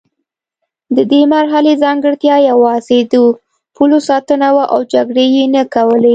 د دې مرحلې ځانګړتیا یوازې د پولو ساتنه وه او جګړې یې نه کولې.